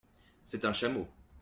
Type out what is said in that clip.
C’est un chameau.